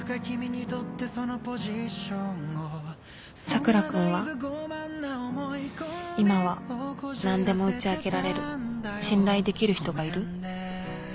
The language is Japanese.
佐倉君は今は何でも打ち明けられる信頼できる人がいる？